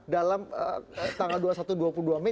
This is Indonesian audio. dalam tanggal dua puluh satu dua puluh dua mei